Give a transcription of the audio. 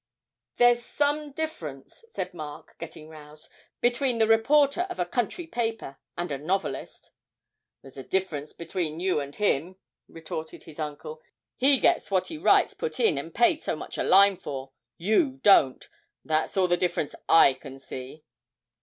'There's some difference,' said Mark, getting roused, 'between the reporter of a country paper and a novelist.' 'There's a difference between you and him,' retorted his uncle; 'he gets what he writes put in and paid so much a line for you don't. That's all the difference I can see.'